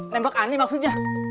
nembak aneh maksudnya